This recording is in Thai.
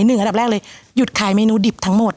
อันดับแรกเลยหยุดขายเมนูดิบทั้งหมด